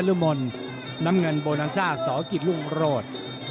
รมนน้ำเงินโบนาซ่าสกิจรุ่งโรธ